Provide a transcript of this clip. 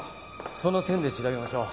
その線で調べましょう。